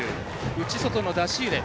内外の出し入れ。